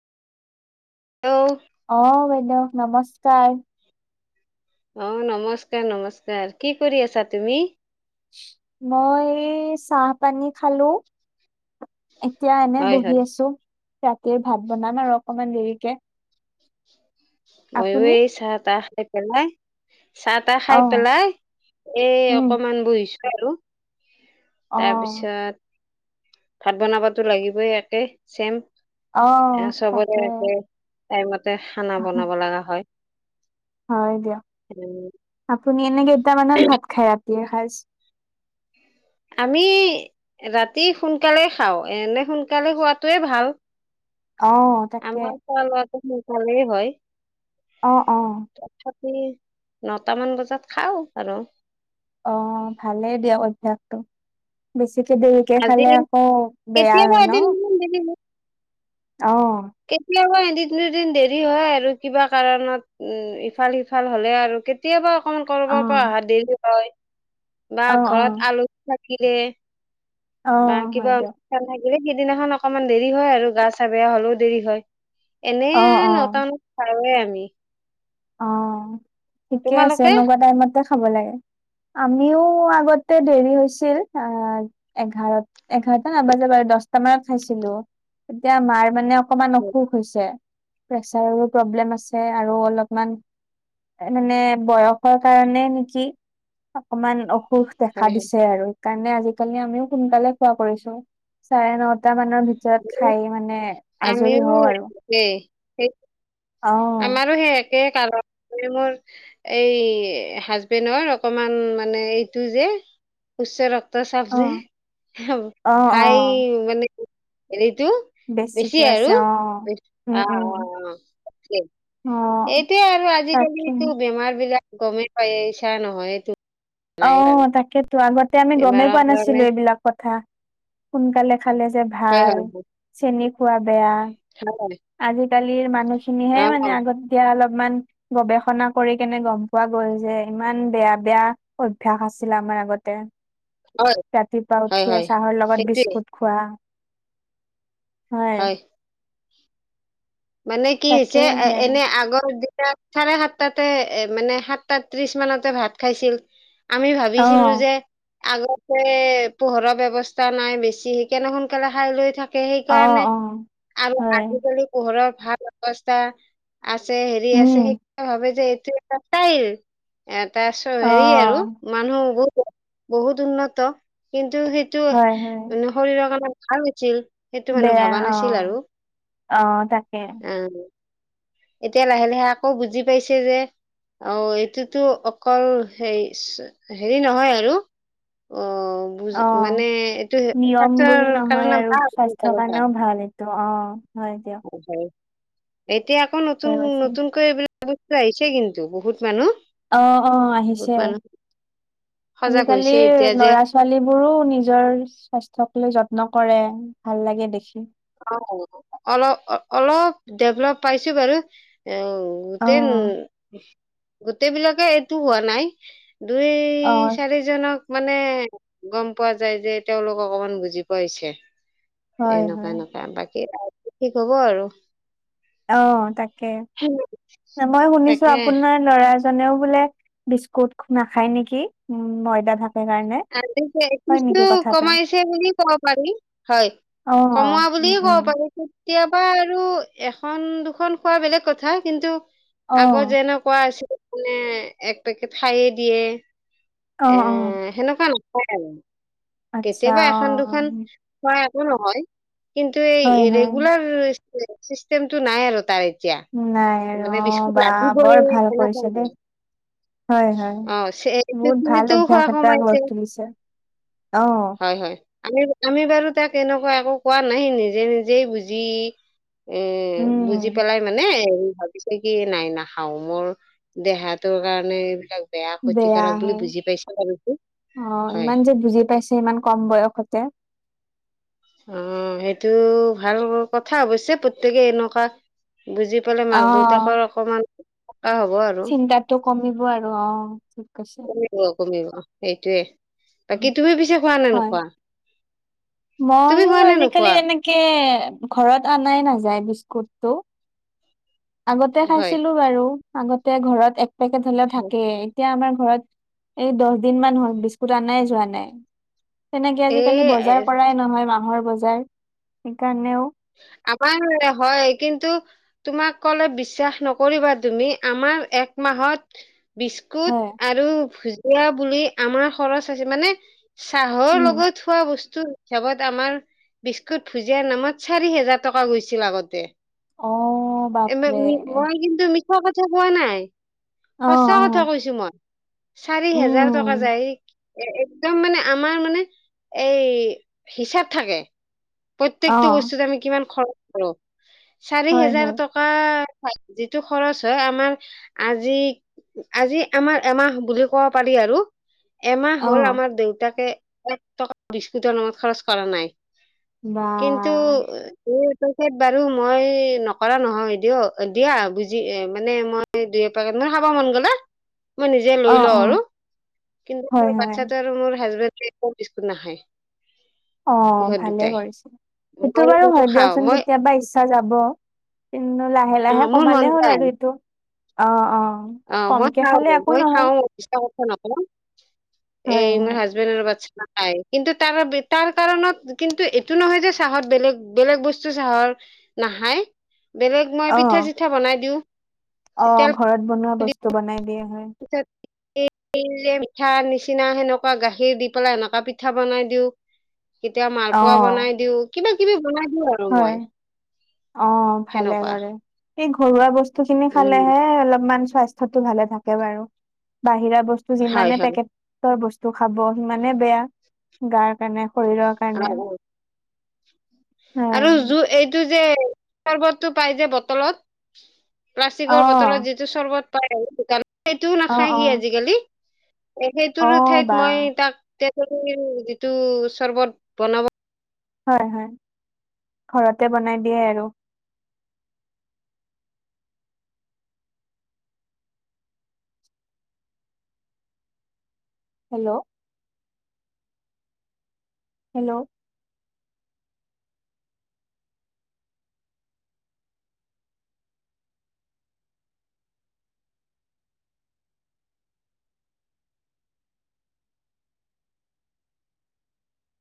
Hello আহ বাইদেউ নমস্কাৰ অ নমস্কাৰ নমস্কাৰ কি কৰি আছা তুমি মই চাহ পানী খালো এতিয়া এনে হয় বহি হয় আছো ৰাতিৰ ভাত বনাম আৰু অকমান দেৰিকে ময়ো আপুনি এই চাহ তাহ খাই পেলাই চাহ তাহ অ খাই পেলাই এই উম অকমান বহিছো আৰু অ তাৰপিছত ভাত বনাবতো লাগিবই একে চেম অ এ চবৰে তাকে একে টাইমতে খানা বনাব লগা হয় হয় দিয়ক উম, আপুনি এনে কেইটামানত ভাত খাই [unintelligible] আমি ৰাতি সোনকালে খাওঁ এনে সোনকালে খোৱাাতোৱে ভাল অ তাকে মচালে হয় অ অ তথাপি নটামান বজাত খাও আৰু অ ভালেই দিয়ক অভ্য়াসতটো বেছি দেৰিকে আজি খালে আকৌ বেয়া কেতিয়াবা হয় ন এদিন অ কেতিয়া বা দিন দুদিন দেৰি হয় আৰু কিবা কাৰণত উ ইফাল সিফাল হ'লে আৰু কেতিয়াবা কৰিব অ পৰা অহা দেৰি হয় বা অ অ ঘৰত আলহী থাকিলে অ বা হয় দিয়ক কিবাৰে সেইদিনাখন অকনমান দেৰি হয় আৰু গা চা বেয়া হলেও দেৰি হয় অ এনে অ নটামানত খাৱে আমি। অ' ঠিকে আছে তোমালোকে এনেকুৱা টাইমতে খাব লাগে। আমিও আগতে দেৰি হৈছিল আহ এঘাৰ এঘাৰটা নাবাজে বাৰু দহটা মানত খাইছিলোঁ, তেতিয়া মাৰ মানে অকমান হয় অসুখ হৈছে, প্ৰেচাৰৰো প্ৰব্লেম আছে আৰু অলপ মান মানে বয়সৰ কাৰণে নেকি অকমান অস সুষ দেখা হয় দিছে আৰু সেইকাৰণে আজিকালি আমিও সোনকালে খোৱা কৰিছোঁ চাৰে নটা মান ভিতৰত খাই মানে আজৰি আমিও হওঁ আৰু একেই সেই অ', আমাৰো সেই একে কাৰণ। এনে মোৰ এই হাজবেণ্ডৰ অকমান মানে এইটো যে উচ্চ ৰক্ত চাপ যে অ', অ', খাই অ'। মানে টো বেছি বেছিকে আৰু আছে অ উম অ' উম অ' অ'। অ এইটোয়ে আৰু তাকে আজিকালি বেমাৰ বিলাক গমেই পায় আহিছা নহয় এইটো নাই বাৰু অ' তাকেতো আগতে আমি বেমাৰৰ গমেই পোৱা কাৰণে নাছিলোঁ এইবিলাক কথা সোনকালে খালে যে হয় ভাল, হয় হয় চেনি খোৱা বেয়া। হয় আজিকালিৰ মানুহখিনিহে মানে অ আগত কে অলপ ইমান গৱেষণা কৰি কেনে গ'ম পোৱা গ'ল যে ইমান বেয়া, বেয়া। অভ্যাস আছিলে আমাৰ আগতে। হয় ৰাতিপুৱা হয় উঠিয়ে হয় চাহৰ লগত সেইটোৱে বিস্কুট খোৱা। হয়। মানে কি হৈছে এ তাকেহে এনে আগৰ দিন চাৰে সাতটাতে এ মানে সাতটা ত্ৰিশ মানতে ভাত খাইছিল। আমি অ ভাবিছিলো যে আগতে পোহৰৰ ব্যৱস্থা নাই বেছি সিকানে সোনকালে খাই লৈ থাক তে অ সেইকাৰণে অ আৰু হয় আজিকালি ঘৰৰ ভাল অৱস্থা আছে, হেৰি উম আছে সেই ভাবে যে তে পাত তাইৰ তাৰচত অ হেৰি আৰু মানুহ বহ বহুত উন্নত কিন্তু সেইটো হয় হয় শৰীৰৰ কাৰণে ভাল হৈছিল। সেইটো মানুহ বেয়া ভবা নাছিল অ', আৰু। অ', তাকে। অ এতিয়া লাহে লাহে আকৌ বুজি পাইছে যে। অ', এইটোতো অকল হে চ হেৰি নহয় আৰু। অ'। বুজ অ', মানে এইটো নিয়ম সেটোৰ বুলি নহয় কাৰণে আৰু স্বাস্থ্যৰ কাৰণেও [unintelligible] ভাল এইটো অ', দিয়ক হয়, হয়, এতিয়া আকৌ নতুন ঠিকে কৈছে। নতুনকৈ এইবিল বস্তু আহিছে কিন্তু বহুত মানুহ। অ', অ', বহুত আহিছে। মানুহ সজাগ হৈছে এতিয়া আজিকালিৰ যে ল'ৰা-ছোৱালীবোৰো নিজৰ স্বাস্থ্যক লৈ যত নকৰে, ভাল লাগে দেখি। অ', অলপ অলপ ডেভলপ পাইছোঁ বাৰু। অ', গোটেই উ, অ', গোটেইবিলাকে এইটো হোৱা নাই। দুই অ', চাৰিজনক মানে গম পোৱা যায় যে তেওঁলোক অকমান বুজি পোৱা হৈছে। হয়, হয়। বাকী ঠিক হ'ব আৰু। অ' তাকে মই শুনিছোঁ তাকে আপোনাৰ ল'ৰা জনেও বোলে বিস্কুত নাখায় নেকি উম, ময়দাক ভাল দে হৈছে বিস্কুট কমাইছে বুলিয়ে ক'ব পাৰি হয়। অ', কমোৱা বুলি উম, উম, ক'ব পাৰিছো। কেতিয়াবা আৰু এখন দুখন খোৱা বেলেগ কথা কিন্তু। আগত অ', যেনেকুৱা আছিল মানে এক পেকেট খাইয়ে দিয়ে অ', এ অ'। সেনেকুৱা ন [unintelligible] আৰু। আচ্ছা কেতিয়াবা এখন দুখন অ', [unintelligible] একো নহয়। কিন্তু এই হয়, হয়। ৰেগুলাৰ চিষ্টেমটো নাই আৰু তাইৰ। নাই ৰ, বা বৰ ভাল এনেকুৱা কৰিছে দেই। নাই হয় হয় অ বহুত ভাল খিনিতো খোৱা অভ্যাস এটা গৰ কমাইছে কৰি তুলিছে অ হয় হয় আমি আমি বাৰু তাক এনেকুৱা একো কোৱা নাই নিজে নিজেই বুজি অ উম, বুজি পেলাই মানে ভাবিছে কি নাই নাখাওঁ মোৰ দেহাটোৰ কাৰণে এইবিলাক বেয়া ক্ষতিকাৰক বুলি বুজি পাইছে বাৰু অ', হয় ইমান যে বুজি পাইছে ইমান কম বয়সতে অ সেইটো ভাল কথা অৱশ্যে প্ৰত্যয়েকে এনেকুৱা বুজি পালে মাক অ', দেউতাকৰ অকমান সকাহ হব আৰু চিন্তাটো কমিব আৰু অ ঠিক কৈছে। কমিব কমিব এইটোৱে বাকী তুমি পিছে খোৱা নে নোখোৱা তুমি মইয়ো খোৱা নে আজিকালি নোখোৱা তেনেকে ঘৰত আনাই নাযায় বিস্কুটটো আগতে হয় খাইছিলো বাৰু আগতে ঘৰত এক পেকেট হলে থাকে এতিয়া আমাৰ ঘৰত এই দহ দিন মান হল বিস্কুট আনাই যোৱা নাই তেনেকে আজিকালি এ বজাৰ কৰাই নহয় মাহৰ বজাৰ সেইকাৰণেও [inaudible] আমাৰ হয় কিন্তু তোমাক ক'লে বিশ্বাস নকৰিবা তুমি আমাৰ এক মাহত বিস্কুট হয় আৰু ভুজিয়া বুলি আমাৰ খৰচ হৈছে মানে চাহৰ উম লগত হোৱা বস্তু হিচাপত আমাৰ বিস্কুট ভুজিয়া নামত চাৰি হাজাৰ টকা গৈছিল আগতে অ বাপৰে মই কিন্তু মিছা কথা কোৱা নাই অ অ সচা কথা কৈছো মই চাৰি হেজাৰ টকা উম যায় একদম মানে আমাৰ মানে এই হিচাপ থাকে প্ৰ অ এইটো বস্তুত আমি কিমান খৰচ কৰো চাৰি হয় হেজাৰ হয় টকা যিটো খৰচ হয় আমাৰ আজি আজি আমাৰ এমাহ বুলি ক'ব পাৰি আৰু এমাহ অ হ'ল আমাৰ দেউতাকে এক টকা বিস্কুটৰ নামত খৰচ কৰা নাই বা কিন্তু [unintelligible] বাৰু মই নকৰা নহয় দিয় দিয়া বুজি মানে মই দুই এপাকে মানে খাব মন গলে মই নিজে অ লৈ অ লও আৰু কিন্তু হয় মোৰ হয় বাচ্চাটো আৰু হাজবেন কেক অ বিস্কুট নাখায় অ ইহঁত ভালে দুটাই কৰিছে সেইটো মই বাৰু কিন্তু হয় খাওঁ দিয়কচোন মই কেতিয়াবা ইচ্ছা যাব লাহে লাহে মোৰ মন কমালেই হ'ল যায় আৰু সেটো অ অ অ মই কমকে খাওঁ খালে একো মই নহয় খাওঁ মিছা কথা নকও হয় এই মোৰ হয় হাজবেণ্ড আৰু বাচ্ছা নাখায় কিন্তু তাৰ তাৰ কাৰণত কিন্তু এইটো নহয় যে চাহত বেলেগ বেলেগ বস্তু চাহৰ নাখাই বেলেগ মই অ পিঠা চিঠা বনাই দিওঁ অ ঘৰত বনোৱা বস্তু বনাই দিয়া হয় তাত পিঠা নিচিনা সেনেকুৱা গাখীৰ দি পেলাই এনেকা পিঠা বনাই দিওঁ কেতিয়া অ মালপোৱা বনাই দিওঁ কিবা কিবি বনাই দিওঁ আৰু হয় মই অ ভালে সেনেকুৱা কৰে এই ঘৰুৱা বস্তু খিনি উম খালেহে অলপমান স্বাস্থ্যটো ভালে থাকে বাৰু বাহিৰা বস্তু হয় যিমানে হয় পেকেট ৰ বস্তু খাব সিমানে বেয়া গাৰ কাৰণে শৰীৰৰ অ কাৰণে অ হয় আৰু যো এইটো যে, চৰ্বতটো পাই যে বটলত। অ প্লাষ্টিকৰ বটলত যিটো চৰ্বত পায়, দোকান সেইটোও অ নাখায় অ সি আজিকালি। অ সেইটোৰ বা ঠাইত মই তাক তেজলীৰ যিটো চৰ্বত বনাব। হয়, হয়। ঘৰতে বনাই দিয়ে আৰু। হেল্ল'। হেল্ল'।